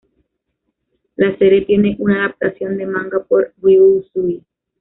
La serie tiene una adaptación de manga por Ryū Usui.